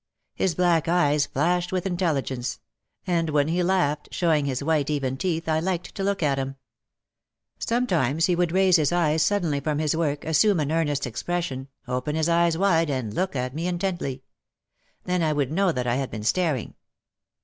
His black eyes flashed with intelligence. And when he laughed, showing his white, even teeth, I liked to look at him. Sometimes he would raise his eyes OUT OF THE SHADOW 85 suddenly from his work, assume an earnest expression, open his eyes wide and look at me intently. Then I would know that I had been staring.